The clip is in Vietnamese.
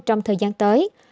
trong thời gian tới